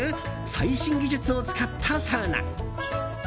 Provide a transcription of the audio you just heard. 最新技術を使ったサウナ。